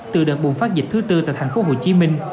từ đợt bùng phát dịch thứ tư tại thành phố hồ chí minh